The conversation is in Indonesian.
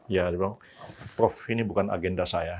ya dia bilang prof ini bukan agenda saya